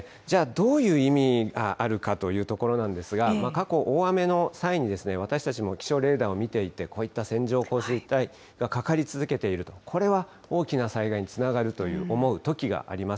じゃあ、どういう意味があるかというところなんですが、過去、大雨の際に、私たちも気象レーダーを見ていて、こういった線状降水帯がかかり続けていると、これは大きな災害につながると思うときがあります。